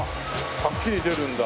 はっきり出るんだ。